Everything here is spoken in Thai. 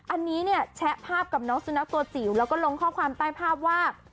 อันนี้เนี่ยแชะภาพกับน้องสุนัขตัวจิ๋วแล้วก็ลงข้อความใต้ภาพว่า